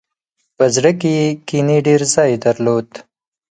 په زړه کې یې کینې ډېر ځای درلود.